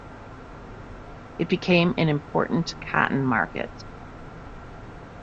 It became an important cotton market.